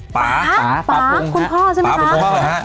ป๊าคุณพ่อใช่ไหมครับ